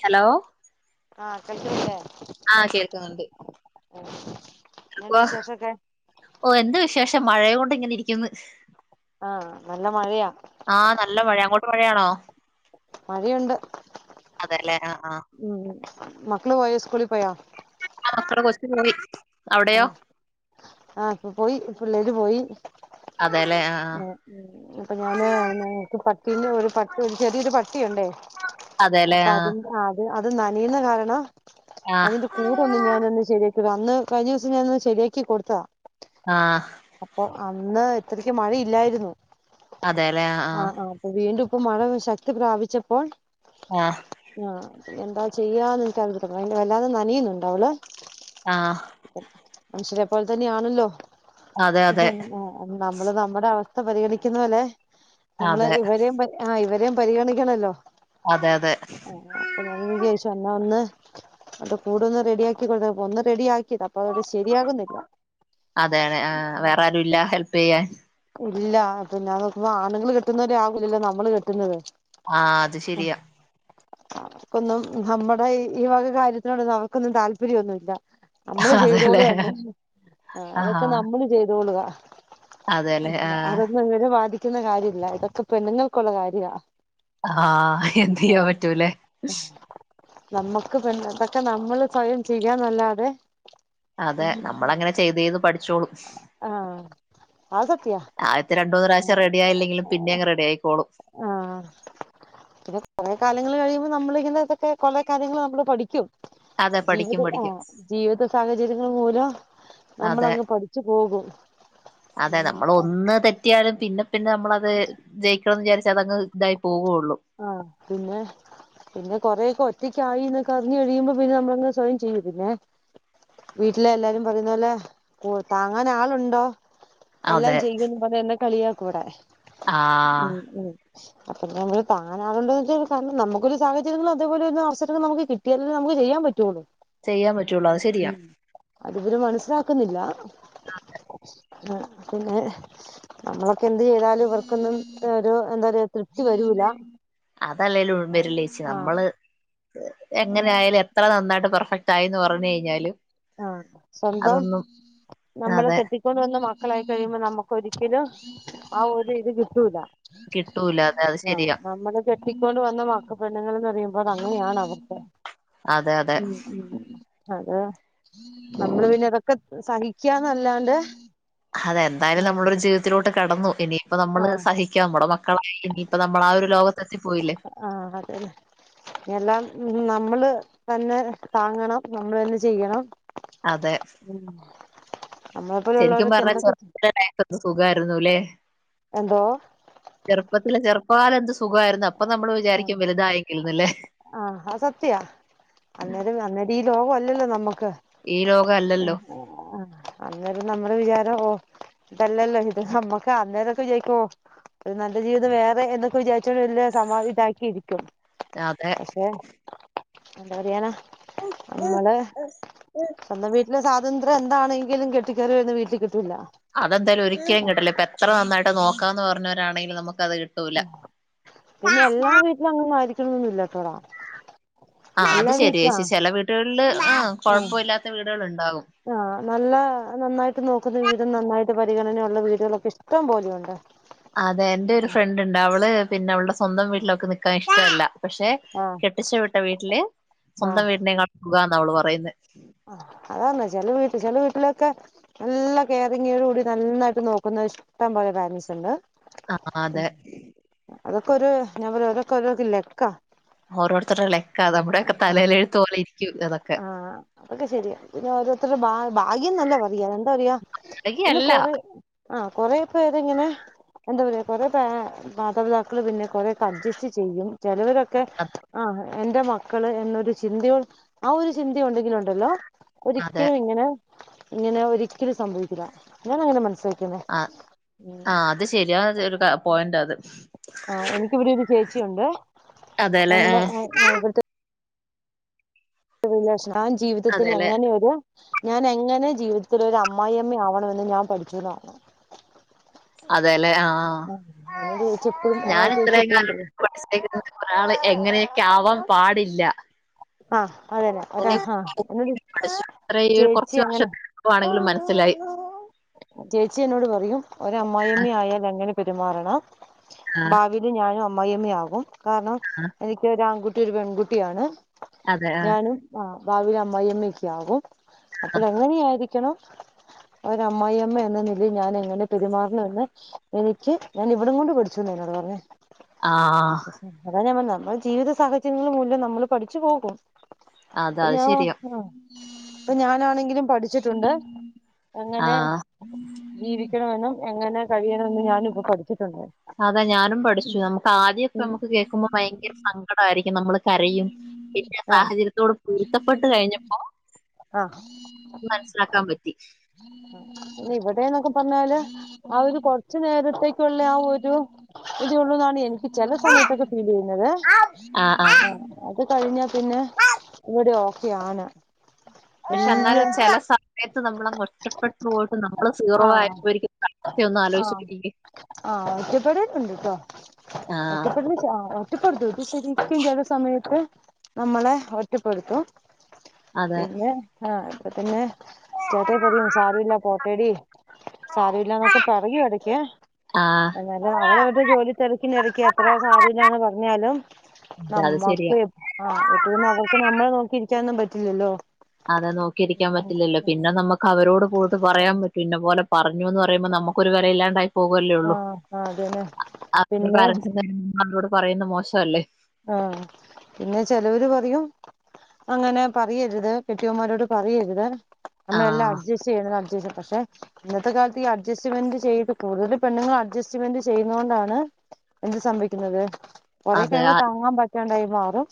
Hello ആ കേൾക്കുന്നില്ലേ ആ കേൾക്ക്ന്നുണ്ട് ഓ വോഹ് ഓ എന്ത് വിശേ ഷം മഴെ കൊണ്ട് ഇങ്ങനെ ഇരിക്കുന്ന് ആ നല്ല മഴയാ ഇങ്ങോട്ട് മഴയാണോ മഴയുണ്ട് അതെലേ ആ ഉം മക്കള് പോയോ സ്‌കൂളി പോയോ മക്കള് ബസില് പോയി ആ അവിടെയോ ആ പ്പോയി പിള്ളേര് പോയി അതെല്ലേ ആഹ് ഉം ഉം അപ്പ ഞാന് ഞങ്ങക്ക് പട്ടിനെ ഒരു പട്ടി ചെറിയൊരു പ ട്ടിയുണ്ടേ അതെല്ലേ അപ്പ ആഹ് അതിൻ്റെ ആ അത് അ നനയുന്ന കാരണം ആഹ് അതിൻ്റെ കൂടൊന്ന് ഞാനൊന്ന് ശരിയാ ക്കിക അന്ന് കഴിഞ്ഞുസം ഞാനൊന്ന് ശരിയാക്കി കൊടുത്തതാ ആ അപ്പൊ അന്ന് ഇത്രേം ക്ക് മഴയില്ലാരുന്നു അതേലെ ആ പ്പം മഴ ശക്തി പ്രാപിച്ചപ്പോൾ ആഹ് ആ എന്താ ചെയ്യാന്നെനിക്കറിയത്തില്ല [unintelligible] വല്ലാതെ നനയുന്നുണ്ട് അവള് ആഹ് [unintelligible] മഴതന്നെയാണല്ലോ അതെ അതെ [unintelligible] നമ്മള് നമ്മടെ സ്ഥ പരിഗണിക്കുന്നപോലെ നമ്മള് അതെ ഇവരേം പ ഇവരേം പരിഗണിക്കണല്ലോ അതെ അതെ അപ്പം ഞങ്ങള് വിചാരിച്ചു [unintelligible] ഒന്ന് അത് കൂടൊന്ന് റെഡിയാക്കി [unintelligible] ഒന്ന് പൊടിയായി അതെ അതെ ആ വേറാരുല്ല ഹെൽപ് ചെയ്യാൻ ഇല്ലപിന്നെ [unintelligible] ആണുങ്ങള് കെട്ടുന്നത് പോലെ ആകില്ലല്ലോ നമ്മള് കെട്ടുന്നത് ആ അത് ശരിയാ ഒന്നും നമ്മടെ ഈ വക കാര്യത്തിനോടു നമ്മുക്കൊന്നും താല്പര്യഒന്നുല്ല നമ്മള് അതെല്ലേ ചെയ്തോളത്തന്നെ ആഹ് അതൊക്കെ നമ്മള് ചെയ്തോളുക അതെല്ലേ ആഹ് അതൊന്നും അങ്ങേരെ ബാധി ക്കുന്ന കാര്യല്ല ഇതൊക്കെ പെണ്ണുങ്ങൾക്കൊള്ള കാര്യാ ആ എന്തു ചെയ്യാൻ പറ്റുലെ നമ്മുക്ക് പിന്നെ അധോക്കെ നമ്മള് സ്വയം ചെയ്യാന്നല്ലാതെ അതെ നമ്മളങ്ങനെ ചെയ്ത് ചെയ്ത് പഠിച്ചോളും ആഹ് അത് സത്യാ ആദ്യത്തെ രണ്ടൂന്ന് പ്രാവശ്യം റെഡിയായില്ലെങ്കിലും പിന്നങ്ങ് റെഡിയായിക്കോളും ആ പിന്നെ കൊറെ കാ ലങ്ങള് കഴിയുമ്പോ നമ്മളു ഇങ്ങനെ എന്ധോക്കെ കൊറേ കാര്യങ്ങൾ പഠിക്കും അതെ പഠിക്കും ജീവിത ആ പഠിക്കും ജീവിത സാഹ ഇരുന്നൂര അതെ അതെ ഉം നമ്മളൊന്ന് തെറ്റിയാല് പിന്നെ പിന്നെ നമ്മളത് ജയിക്കണംന്ന് വിചാരി മറ്റേദൊക്കെ ഇതായി പോവുള്ളൂ അ പിന്നെ പിന്നെ കൊറക്കെ ഒറ്റ റ്റക്കആയി എന്നൊക്കെ അറിഞ്ഞഞ് കഴിയുമ്പോ പിന്നെ നമ്മളങ്ങ് സ്വയം ചെയ്യും പിന്നെ വീട്ടിലെ എല്ലാരും പറയുന്ന പോലെ താങ്ങാൻ ആളുണ്ടോ എല്ലാം ചെയുംന്ന് പറഞ്ഞ എന്നെ കളിയാ കൂടെ ആ...... അപ്പ ന [unintelligible] താങ്ങാനാലുണ്ടെ കാരണം നമുക്കൊരു സാഹചര്യങ്ങള അതേപോലെ ഒരു അവസര നമുക്ക് കിട്ടിയാലെ നമക്ക് ചെയ്യാൻ പറ്റുള്ളൂ ചെയ്യാൻ പറ്റുള്ളൂ അത് ശെരിയാ അത് ഇവര് മനസ്സിലാക്കുന്നില്ല [inaudible] ആ പിന്നെ നമ്മളൊക്കെ എന്ത് ചെയ്താലും ഇവർക്കൊന്നും ഒരു എന്താ പറയയാ തൃപ്തി വരൂല അതല്ലേലും ഉഴമ്പരിലേച്ചി ആഹ് നമ്മള് എങ്ങനെ ആയാലും എത്ര നന്നായിട്ടും [unintelligible] ആ സ്വന്തം അതൊന്നും നമ്മൾ അതെ കെട്ടിക്കൊണ്ട് വന്ന മക്കളായി കഴിയുമ്പോൾ നമുക്ക് ഒരിക്കലും ആ ഒരു ഇത് കിട്ടൂല കിട്ടൂല അതെ അത് ആ ശരിയാ നമ്മള് കെട്ടിക്കൊണ്ട് വന്ന ന്ന് മക്ക പെണ്ണുൾന്ന് പറയുമ്പോ അതങ്ങനെയാണ് അവർക്ക് അതെ അതെ അതെ നമ്മള് പിന്നെ അതൊക്ക സഹിക്കാന്നല്ലാണ്ട് അതെ എന്തായാലും ആഹ് നമ്മളൊരു ജീവിതത്തിലോട്ട് കടന്നു ഇനിയിപ്പ നമ്മള് ആഹ് സഹിക്ക നമ്മുടെ മ മക്കളായി ഇനി ഇപ്പൊ നമ്മളാ ഒരു ലോകത്തെ എത്തി പോയില്ലേ ഉം നമ്മള് തന്നെ താങ്ങണം നമ്മൾ തന്നെ ചെയ്യണം അതെ ഉം നമ്മളെ ശരിക്കും പോലെയുള്ളവരൊക്കെ പറഞ്ഞാ എന്തൊക്കെ ചെറുപ്പ തന്നാര്ന്നാ ന്ത് സുഖമായിരുന്നുല്ലേ എന്തോ [inaudible] ചെറുപ്പത്തില് ചെറു വരെന്ത് സുഖായിരുന്നു ഇപ്പൊ നമ്മള് വിചാരിക്കും വലുതായെങ്കിൽന്നല്ലേ ആ അത്‌ സത്യാ അന്നേരം ഈ ലോക കൊല്ലല്ലോ നമ്മക്ക് ഈ ലോകം അല്ലല്ലോ ആ അന്നേരം നമ്മടെ വിചാരം ആ ഇത് അല്ലല്ലോ ഇത് നമ്മക്ക് അന്നേരം ഒക്കെ ചോദിക്കും ഒരു നല്ല ജീവിതം വേറെ എന്നൊക്കെ വിചാരിച്ചിട്ട് വല്യ സമാദാനിച്ചിട്ട് ഇരിക്കും ആ അതെ എന്ത് പറയാനാ നമ്മളെ സ്വന്തം വീട്ടിൽ സാ ഇത് ന്ത്രഎന്താണെങ്കിലും കെട്ടി കേറി വെര്ന്ന വീട്ടില അതെന്തായാലും ഒരിക്കലും കിട്ടില്ല ഇപ്പ എത്ര നോക്കാന്ന് പറഞ്ഞോരാണെങ്കിലും നമ്മുക്ക പിന്നെ എല്ലാ വീട്ടിലും അങ്ങനെ ആയിരിക് ഇല്ല ആ അത്‌ ശെരിയാ ചീ ചെല വീടുകൾ ള്ള് ആ ആഹ് കൊയപ്പല്ല്യാത്ത വീടുകള് ഇണ്ടാകും ഇത് നോക്കുന്ന വിധം നന്നായിട്ട് പരിഗണന ഉള്ള വീടുകളൊക്കെ ഇഷ്ട്ടം പോലെ ഉണ്ട് അതെ ഇന്റെ ഒരു ഫ്രണ്ട് ഇണ്ട് അവള് പിന്നെ അവളുടെ സ്വന്തം വീട്ടില് അവൾക്ക് നിക്കാൻ ഇഷ്ട്ടല്ല പക്ഷെ ആഹ് കെട്ടിച്ച വിട്ട വീട്ടില് സ്വന്തം വീടിനേക്കാളും സുഖാന്ന് ഓൾ പറയണത് പൈസ അത്‌ എന്താന്ന് വെച്ചാൽ വീട്ടില് ചെല വീട്ടില് ഒക്കെ നല്ല കെയറിങ്ങോട് കൂടി നന്നായിട്ട് നോക്കുന്ന ഇഷ്ട്ടം പോലെ പേരെന്റ്സ് ഉണ്ട് ആ അതെ ഇപ്പൊരു ഞാൻ പറയാ അതൊക്കെ ഒരു ലക്കാ ഓരോർത്തരർടെ ലക്കാ നമ്മുടെ ഒക്കെ തലെലെഴുത്ത് പോലെ ഇ ആ അതൊക്കെ ശെരിയാ പിന്നെ ഓരോത്തരെ ഭാ ഭാ ഗ്യം ന്നല്ലേ പറയാ ന്താ റിയാ അല്ലെങ്കി ഇന്ന് അല്ല കൊ റെ ആ കൊറെ പേര് ഇങ്ങനെ എന്താ പറയാ കൊറെ പാ കുറെ മാതാപിതാക്കൾ പിന്നെ കുറേ അഡ്ജസ്റ്റ് ചെയ്യും ചെലവര് ഒക്കെ ആ എന്റെ മക്കൾ ന്നൊരു ചിന്ത യോ ആ ഒരു ചിന്തയുണ്ടങ്കിൽ ഉണ്ടല്ലോ അതെ ഒരിക്കലും ഇങ്ങനെ- ഇങ്ങനെ ഒരിക്കലും സംഭവിക്കില്ല. ഞാനങ്ങനാ മനസി ആ ആ അത് ശരി അത് [unintelligible] കാ പോയിന്റാ അത്. ആ എനിക്കിവിടെയൊരു ചേച്ചിയൊണ്ട്. അതെല്ലെ നമ്മടെ ആ അയൽ വക്ക [unintelligible] ഞാൻ അതെല്ലെ ജീവിതത്തിലെങ്ങനെ ഒരു ഞാൻ എങ്ങനെ ജീവിതത്തിലൊരു അമ്മായിഅമ്മ ആവണമെന്ന് ഞാൻ പഠിച്ചതാണ്. അതെല്ലേ ആ ആ എന്നോട് ചേച്ചി എപ്പഴും ആ ഞാന് ചേച്ചി ഇത്രേം എപ്പഴും കാലം പറയും [unintelligible] ക്കാവാൻ പാടില്ല ആ അതന്നെ ഒര് അതിനെ ഹാ പഠിച്ചു ചേച്ചി അങ്ങനെ നസിലായി ചേച്ചി എന്നോട് പറയും ഒര് അമ്മായിയമ്മയാൽ എങ്ങനെ പെ രുമാറണം. ആഹ് ഭാവിയില് ഞാനും അ മ്മായിയമ്മ ആകും. കാരണം എനിക്ക് ഒരാൺകു രും പെൺകുട്ടിയാണ്. അതെ ആഹ് ഞാനും ആ ഭാവിയിൽ അമ്മായിയമ്മയൊക്കെ ആവും. അപ്പള് എങ്ങനെയായിരി ക്കണോ- അമ്മായിയമ്മ എന്ന നിലയിൽ ഞാൻ എങ്ങനെ പെരുമാറണമെന്ന് എനിക്ക് ഞാൻ ഇവിടം കൊണ്ടു പഠിച്ചു എന്നോട് പറഞ്ഞത്. ആ ആ ജീവിത സാഹചര്യങ്ങള് മൂലം നമ്മള് പഠിച്ച് പോകും. അത അത് ശരിയാ [unintelligible] ഇപ്പം ഞാനാണങ്കിലും പഠിച്ചിട്ടുണ്ട്. എങ്ങനെ ആഹ് ജീവി ക്കണമെന്നും എങ്ങനെ കഴിയണമെന്നും ഞാനും ഇപ്പം പഠി അതെ ഞാനും പഠിച്ചു. നമ്മുക്ക് ആദ്യക്കെ നമ്മുക്ക് കേൾക്കുമ്പം ഭയങ്കര സങ്കടമായിരിക്കും. നമ്മള് കരയും പിന്നെ ആ സാഹചര്യത്തോട് പൊരുത്തപ്പെട്ട് കഴിഞ്ഞപ്പോ ആ മനസ്സിലാക്കാൻ പറ്റി ഇവിടെന്ന്ക്കെ പറഞാല് ആ ഒരു കുറച്ച് നേരത്തേക്കുള്ള ആ ഒരു ഇത് ഉള്ളുന്നാണ് എനിക്ക് ചില സമയത്തൊക്കെ ഫീല് ചെയ്യുന്നത് ആഹ് ആഹ് അത് കഴിഞ്ഞപ്പിന്നെ ഇവിടെ ഓക്കേയാണ് പക്ഷെ എന്നാലും ചെില സമയത്ത് ക്ഷേ എന്നാലും ചെല സമ ത്ത് നമ്മൾ ഒറ്റപ്പെട്ടു പോയിട്ട് നമ്മള് സീറോ ആഹ് ആയപ്പോരിക്കുന്ന അവസ്ഥയ ഒന്ന് ആലോചിച്ച് ആഹ് നോക്കിക്കേ ആഹ് ഒറ്റപ്പെടലുണ്ട് ട്ടോ ആഹ ഒറ്റപ്പെടല് ആഹ് ഒറ്റപ്പെടുത്തും ഇത് ശരിക്കും ചെല നമ്മളെ ഒറ്റപ്പെടുത്തോ അതെ പിന്നെ ആ പിന്നെ ചേട്ടേ പറയും സാരല്യ പോട്ടേടി സാരല്യ എന്നൊക്കെ പറയൂ ഇടക്ക് ആഹ് എന്നാലും അവരവരുടെ ജോലി തിരക്കിനിടക്ക് എത്ര സാരല്യന്ന് പറഞ്ഞാലും അതെ അത് ശരിയാ നമ്മക്ക് ആ ഇപ്പതന്നെ നമ്മളെ നോക്കിഇരിക്ക ന്നും പറ്റില്ലല്ലോ അതെ നോക്കിയിരിക്കാൻ പറ്റില്ലല്ലോ പിന്നെ നമുക്ക് അവരോട് പോയിട്ട് പറയാൻ പറ്റും ഇന്നെ പോലെ പറഞ്ഞു ന്ന് പറയുമ്പോ നമുക്ക് ഒരു വേലയില്ലാണ്ടായി ആ പോകല്ലേള്ളൂ ആ അതന്നെ പിന്നെ [unintelligible] പറയുന്ന് മോശല്ലേ ആ പിന്നെ ചിലവര് പറയും അങ്ങനെ പറയരുത് കെട്ടിയന്മാരോട് പറയരുത് നമ്മളെല്ലാം ആഹ് അഡ്ജസ്റ്റ് ചെയ്യണം അഡ്ജ പക്ഷെ ഇന്നത്തെ കാലത്ത് ഈ അഡ്ജസ്റ്റ്മെന്റ് ചെയ്ത് കൂടുതൽ പെണ്ണുങ്ങൾ അഡ്ജസ്റ്റ്മെന്റ് ചെയ്ന്നകൊണ്ടാണ് ഇത് സംഭിക്കുന്നത് കൊറേ അതെ ക ആ- താങ്ങാ പറ്റാണ്ടായി മാറും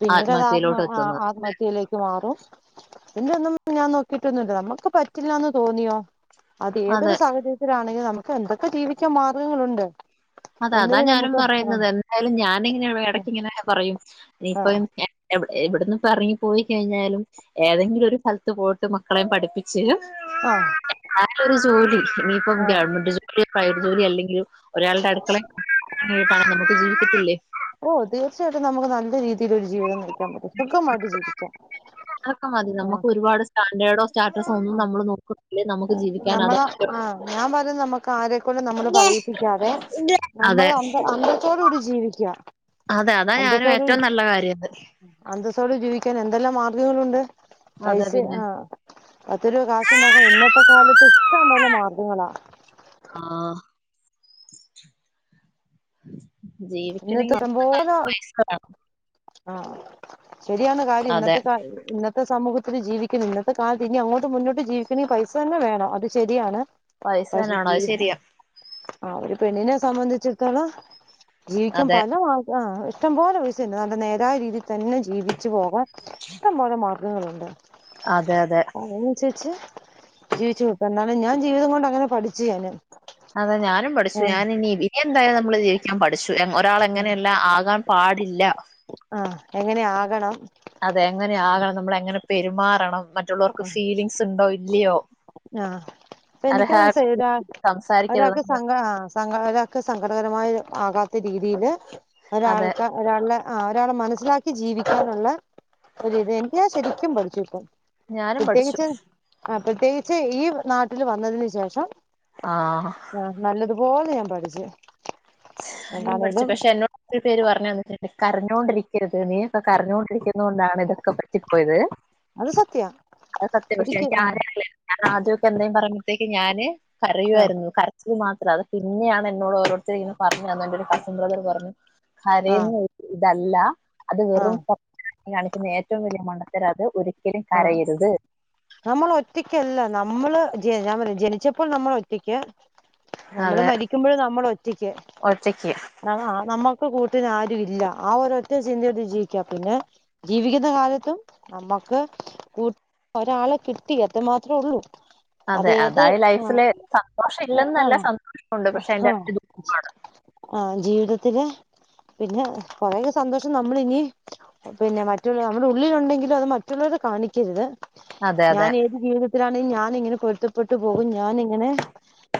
പിന്നീട് അത് ആത്മ ആത്മഹത്യയിലോട്ട് എത്തുന്നത് ആത്മഹത്യയിലേക്ക് മാറും പിന്റെ ഒന്നും ഞാൻ നോക്കിട്ടൊന്നുംല്ല നമ്മുക്ക് പറ്റില്ലന്ന് തോന്നിയോ അത് അതെ ഏതൊരു സാഹചര്യത്തിലണങ്കിലും നമ്മ എന്തൊക്കെ ജീവിക്കാൻ മാർഗങ്ങളുണ്ട് അതെ അതാ ഒന്നില് ഞാനും നമുക്ക് പറയുന്നത് എന്തായാലും ഞാന് ആ ഇടക്ക ഇങ്ങനെ പറയും ആ ഇനിപ്പ എവിടന്ന് ഇറങ്ങി പോയി കഴിഞ്ഞാലും ഏതെങ്കിലും ഒരു സ്ഥലത്ത് പോയ്ട്ട് മക്കളെ പഠിപ്പിച്ച് ആ [unintelligible] ഇനിയിപ്പം ആ [unintelligible] കയർ ജോലി അല്ലെങ്കിലും ഒരാളുടെ അട്ത് നമുക്ക് ജീവിക്കത്തില്ലേ ഓ തീർച്ചയായിട്ടും നമുക്ക് നല്ല രീതി ഇലൊരു ജീവിതം നയിക്കാൻ പറ്റും സുഖമായിട്ട് ജീവിക്കാം അതൊക്കെ മതി. നമുക്ക് ഒരുപാട് സ്റ്റാൻഡേർഡോ സ്റ്റാറ്റസോ ഒന്നും ആ നമ്മള് നോക്കുന്നില്ല. നമുക്ക് ജീവിക്കാൻ നമ്മള അതാ പറ്റുള്ളൂ. ആ ഞാൻ പറയു നമ്മുക്ക് ആരക്കെ ലും നമ്മള് പറയിപ്പിക്കാതെ നമ്മളെ അതെ ആ അന്തസോടെ കൂടി ജീവിക്കുക അതെ അതാ ഞാനും ഏറ്റവും നല്ല കാര്യംത് ട് ജീവിക്കൻ എന്തെല്ലാ മാർഗങ്ങളുണ്ട് അതെ പൈസ പിന്നെ. ആ പത്ത് രൂപ കാശുണ്ടാക്കാം ഇന്ന ഇപ്പ കാലത്ത് ഇഷ്ടംപോലെ മാർഗങ്ങളാ ആ ഇന്നത്തെ ജീവിക്കണെങ്കിൽ ഇ [inaudible] സംഭവം കാലത്ത് പൈസ ആഹ് ശരിയാണ് കാര്യം അതെ. ഇന്നത്തെ ഇന്നത്തെ സമൂഹത്തി ജീവിക്കുന്നു ഇന്നത്തെ കാലത്ത് ഇനി അങ്ങോട്ട് മുന്നോട്ട് ജീവിക്കണേൽ പൈസ തന്നെ വേണം അത് ശരിയാണ് പൈസ തന്നെ പക്ഷെ ആണോ അത് ശെരിയാ ആ ഒരു പെണ്ണിനെ സംബന്ധിച്ചിടത്തോളം ജീവിക്കും അതെ. പല മാ ആ ഇഷ്ടംപോലെയസ്സുണ്ട് നല്ല നേരായീതിൽ തന്നെ ജീവിച്ചു പോകാൻ ഇഷ്ടം പോലെ മാർ ളുണ്ട് അതെ അതെ. അയ്നൻസര്ച്ച് ജീവിച്ചു കൊടുത്ത എന്നാലും ഞാൻ ജീവിതം കൊണ്ട് അങ്ങനെ പഠിച്ചു ഞാന് അതാ ഞാനും പഠിച്ചു ആഹ് ഞാനിനി [unintelligible] എന്തായാലും നമ്മള് ജീവിക്കാൻ പഠിച്ചു ഒരാൾ എങ്ങനെയല്ല ആകാൻ പാടില്ല ആ എങ്ങനെയാകണം അതെ എങ്ങനെയാകണം നമ്മള് എങ്ങനെ പെരുമാറണം മറ്റുള്ളവർക്ക് ഫീലിംഗ്സ് ഇണ്ടോ ഇല്ലയോ ആഹ് അപ്പ എനിക്ക് മനസിലായി അരഹട്ട് ഒ ഒരാൾക്ക് സംസാരിക്കരുത് സ ആ ഒരാൾക്ക് സങ്കടകരമായ ആകാ രീതിയില് അതെ. ഒരാൾക്ക് ഒരാളുടെ ആ ഒരാളെ മനസ്സിലാക്കി ജീവിക്കാനുള്ള ഒരിത് എനിക്ക് ഞാൻ ശരിക്കും പഠിച്ചു ട്ടോ ഞാനും പഠിച്ചു പ്പത്തീ [unintelligible] ചെയ് ഈ നാട്ടില് വന്നതിന് ശേഷം ആ പോലെ ഞാൻ പഠിച്ച് പഠിച്ചു എന്താണേലും പക്ഷെ എന്നോട് ഒരു പേര് പറഞ്ഞു തന്നിട്ടുണ്ട് കരഞ്ഞോണ്ടിരിക്കരുത് നീപ്പൊ കരഞ്ഞോണ്ടിരിക്കുന്ന കൊണ്ടാണിതൊക്കെ പറ്റിപ്പോയത് അത് സത്യാ അത് സത്യ പക്ഷെ ഒരിക്ക എനിക്ക് ആഹ് ആദ്യ അറിയില്ലായിരുന്നു ഞാ അദ്യൊക്കെ എന്തേലും പറയുമ്പത്തേക്ക് ഞാന് ആഹ് പറയുവാരുന്നു ക കരച്ചില് മാത്ര പിന്നെയാണ് എന്നോട് ഓരോരുത്തരിങ്ങനെ പറഞ്ഞു തന്നത് പിന്നെ കസിൻ ബ്രദർ പറഞ്ഞു ആഹ് കരയുന്നൊ തല്ല ല്ലാ അത് വെറും ആഹ് നക്ക് നേരത്തെ അത് ഒരു ആ നമ്മളൊറ്റക്കത് നമ്മള് ഞാൻ പറയാ ജനിച്ചപ്പോൾ നമ്മള് ഒറ്റക്ക് നമ്മള് അതെ മരിക്കുമ്പഴും നമ്മളൊറ്റക്ക് ഒറ്റയ്ക്ക് ഇപ്പൊ കൂട്ടിനാരും ഇല്ല. ആ ഒരൊറ്റ ചിന്തയായിട്ട് ജീവിക്ക്യാ പിന്നെ. ജീവിക്കുന്ന കാലത്തും നമ്മക്ക് കൂട്ടിന് ഒരാളെ കിട്ടി അത് മാത്രേ ഉള്ളു. അതെ അതാ ലൈഫില് സന്തോഷം ഇല്ലന്നല്ല ആഹ് സന്തോഷം ഉണ്ട്. പക്ഷെ അതിന്റെ ആഹ് ഇരട്ടി ദുഖവാണ്. പിന്നെ പിന്നെ വളരെ സന്തോഷം. നമ്മളിനി പിന്നെ മറ്റുള്ള നമ്മടുള്ളിലുണ്ടെങ്കിലും അത് മറ്റുള്ളവരോട് കാണിക്കരുത്. അതെ അതെ ഞാനേത് ജീവി തത്തിലാണ് ഞാനിങ്ങനെ പൊരുത്തപ്പെട്ട് പോകും. ഞാനിങ്ങനെ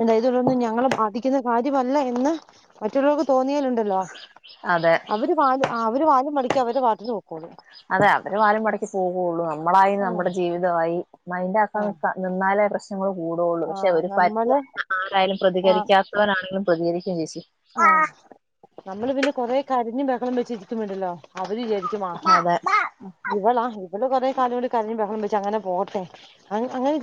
എന്താ ഇതിലൊന്നും ഞങ്ങളെ ബാധിക്കുന്ന കാര്യവല്ല എന്ന് മ റ്റുള്ളോർക്ക് തോന്നിയാലുണ്ടല്ലോ അതെ അവര് വാലും ആഹ് അവര് വാലും മട ‌ക്കി അവരടെ പാട്ടിന് പൊക്കോളും. അതെ അവര് വാലും മടക്കി പോകോള്ളു നമ്മളായി ആഹ് നമ്മുടെ ജീവിതവായി മൈന്റ് ആക്കാതെ ആഹ് നിക്ക നിന്നാലേ പ്രശ് കൂടൊള്ളു പക്ഷെ ആഹ് ഒരു നമ്മള് പരിധിവരെ ആരായാലും ആഹ് പ്രതികരിക്കാത്തവരാ [unintelligible] [unintelligible] ആഹ് നമ്മള് [unintelligible] കൊറേ കരഞ് ബഹളം [unintelligible] [unintelligible] അത ഇവളാ [unintelligible] കരഞ് ബഹളം വെച്ച് അങ്ങനെ പോട്ടെ [unintelligible]